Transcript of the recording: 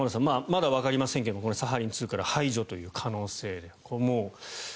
まだわかりませんがサハリン２から排除という可能性。